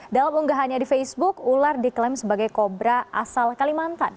dalam unggahannya di facebook ular diklaim sebagai kobra asal kalimantan